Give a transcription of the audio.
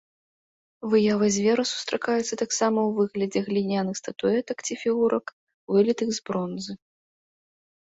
Выява звера сустракаецца таксама ў выглядзе гліняных статуэтак ці фігурак, вылітых з бронзы.